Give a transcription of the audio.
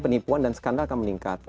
penipuan dan skandal akan meningkat